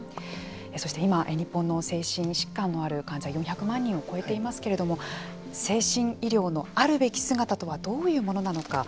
そして今日本の精神疾患のある患者４００万人を超えていますけど精神医療のあるべき姿とはどういうものなのか。